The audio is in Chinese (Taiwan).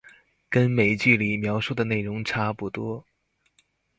跟美劇裡描述的內容差不多